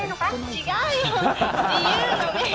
違うよ、自由の女神。